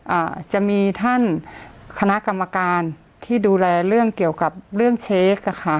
อ่าจะมีท่านคณะกรรมการที่ดูแลเรื่องเกี่ยวกับเรื่องเช็คอะค่ะ